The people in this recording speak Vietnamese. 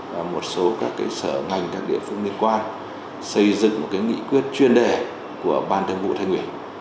và một số các sở ngành các địa phương liên quan xây dựng một nghị quyết chuyên đề của ban thường vụ thành ủy